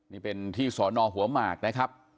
นี่เป็นที่สอนอหัวหมากนะครับ